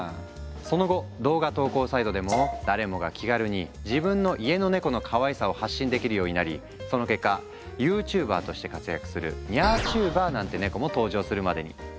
その後動画投稿サイトでも誰もが気軽に自分の家のネコのかわいさを発信できるようになりその結果ユーチューバーとして活躍する「ニャーチューバー」なんてネコも登場するまでに。